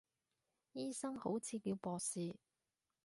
醫生好似叫博士